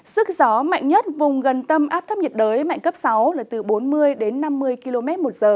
sức gió mạnh nhất vùng gần tâm áp thấp nhiệt đới mạnh cấp sáu là từ bốn mươi đến chín mươi km